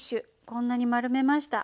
こんなに丸めました。